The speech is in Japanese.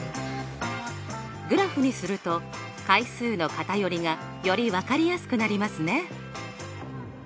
グラフにすると回数の偏りがより分かりやすくなりますね。